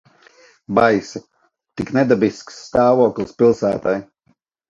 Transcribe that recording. Baisi. Tik nedabisks stāvoklis pilsētai.